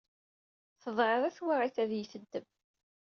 Tedɛiḍ i twaɣit ad yi-teddem.